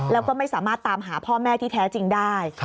แล้วก็ไม่สามารถตามหาพ่อแม่ที่แท้จริงได้